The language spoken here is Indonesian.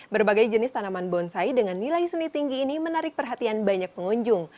berbagai jenis tanaman bonsai dengan nilai seni tinggi ini menarik perhatian banyak pengunjung